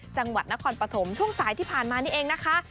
จังหวัดนครปฐมช่วงสายที่ผ่านมานี่เองนะคะ